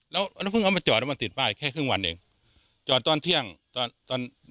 แล้วน้ำเพิ่งเอามาจอดแล้วมันติดป้ายแค่ครึ่งวันเองจอดตอนเที่ยงตอนตอน